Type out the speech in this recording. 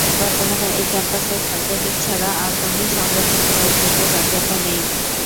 বর্তমানে এই ক্যাম্পাসে ছাত্রলীগ ছাড়া আর কোনো সংগঠনের অস্তিত্ব কার্যত নেই।